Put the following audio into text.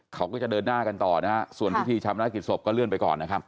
เขาก็จะเดินหน้ากันต่อนะฮะส่วนพิธีชามนากิจศพก็เลื่อนไปก่อนนะครับ